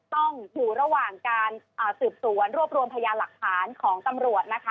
ต้องอยู่ระหว่างการสืบสวนรวบรวมพยานหลักฐานของตำรวจนะคะ